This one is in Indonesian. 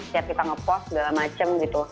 siap kita ngepost segala macem gitu